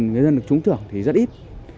người dân được trúng thưởng thì rất ít